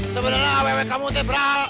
sebenernya wewe kamu tebra